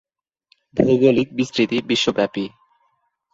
ভৌগোলিক বিস্তৃতি বিশ্বব্যাপী।